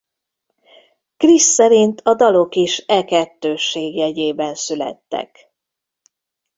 Criss szerint a dalok is e kettősség jegyében születtek.